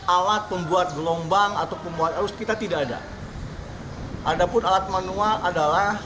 alat pembuat gelombang atau pembuat arus kita tidak ada ada pun alat manual adalah